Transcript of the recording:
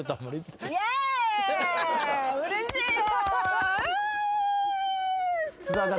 うれしいよ！